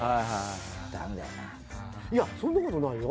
いやそんなことないよ。